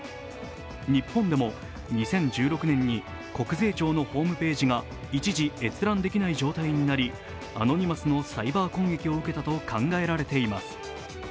日本でも２０１６年に国税庁のホームページが一時、閲覧できない状態になりアノニマスのサイバー攻撃を受けたと考えられています。